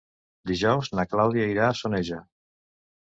Dijous na Clàudia irà a Soneja.